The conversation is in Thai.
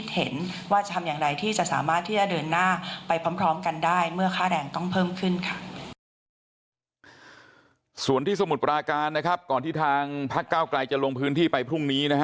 ส่วนที่สมุดปราการก่อนที่ทางภาคก้าวไกลจะลงพื้นที่ไปพรุ่งนี้